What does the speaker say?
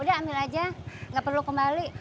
udah ambil aja nggak perlu kembali